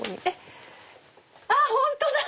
あっ本当だ！